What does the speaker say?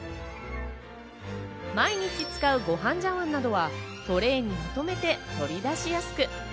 毎日使うご飯茶碗などはトレーにまとめて取り出しやすく。